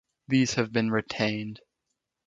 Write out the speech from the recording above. These have been retained.